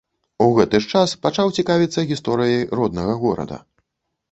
У гэты ж час пачаў цікавіцца гісторыяй роднага горада.